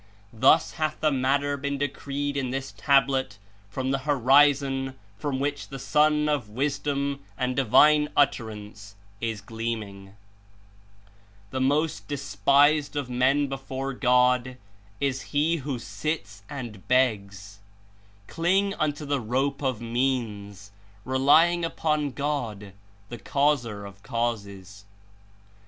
Thus hath the matter been decreed In this Tablet from the Horizon from which the Sun of Wisdom and Divine Utterance Is gleaming. "The most despised of men before God Is he who sits and begs. Cling unto the rope of means, relying upon God, the Causer of causes.